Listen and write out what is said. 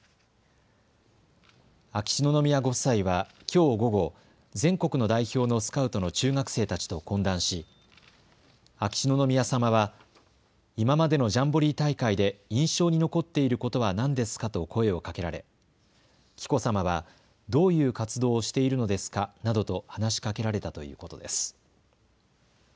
秋篠宮ご夫妻はきょう午後、全国の代表のスカウトの中学生たちと懇談し秋篠宮さまは今までのジャンボリー大会で印象に残っていることは何ですかと声をかけられ紀子さまはどういう活動をしているのですかなどと話しかけられたということです。